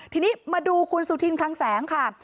ทีนี้มาดูคุณสุธินคลังแสงค่ะ